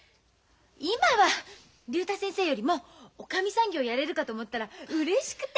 今は竜太先生よりもおかみさん業やれるかと思ったらうれしくて。